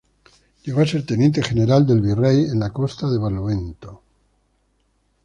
Llegó a ser teniente general del Virrey en la Costa de Barlovento.